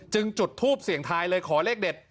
จุดทูปเสียงทายเลยขอเลขเด็ด